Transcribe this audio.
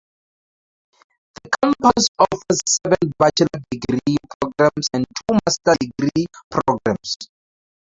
The campus offers seven bachelor degree programs and two master degree programs.